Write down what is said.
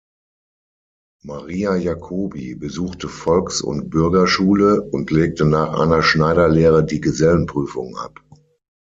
Maria Jacobi besuchte Volks- und Bürgerschule und legte nach einer Schneiderlehre die Gesellenprüfung ab.